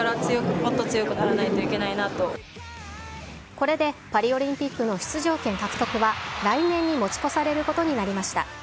これで、パリオリンピックの出場権獲得は来年に持ち越されることになりました。